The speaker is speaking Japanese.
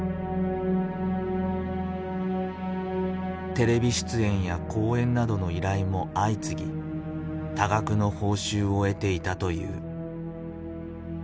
テレビ出演や講演などの依頼も相次ぎ多額の報酬を得ていたという。